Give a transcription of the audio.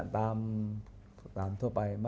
มันก็ทั่วไปฮะ